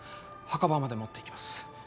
墓場まで持っていきます